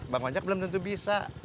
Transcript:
bang ojek belum tentu bisa